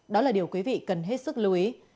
đó là điều quý vị cần hết sức lưu ý